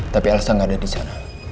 tapi ilesa gak ada disana